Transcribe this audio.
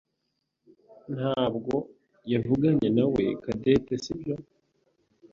ntabwo yavuganye nawe Cadette, sibyo?